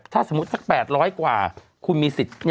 ถ้าสมมุติสัก๘๐๐กว่าคุณมีสิทธิ์